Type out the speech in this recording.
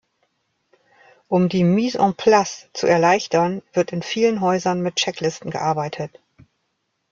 Um die Mise en Place zu erleichtern, wird in vielen Häusern mit Checklisten gearbeitet.